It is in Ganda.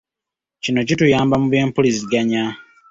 Kino kituyamba mu by'empuliziganya.